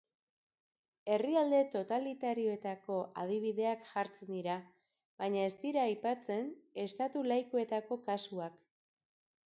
Herrialde totalitarioetako adibideak jartzen dira, baina ez dira aipatzen estatu laikoetako kasuak.